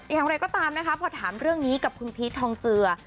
อย่างไรก็ตามนะคะพอถามเรื่องนี้กับคุณพีชทองเจือ